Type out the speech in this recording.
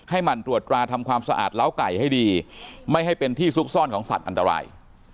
หมั่นตรวจตราทำความสะอาดเล้าไก่ให้ดีไม่ให้เป็นที่ซุกซ่อนของสัตว์อันตราย